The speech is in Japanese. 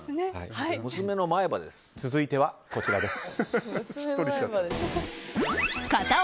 続いては、こちらです。